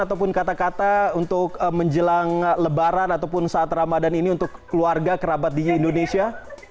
ataupun kata kata untuk menjelang lebaran ataupun saat ramadan ini untuk keluarga kerabat di indonesia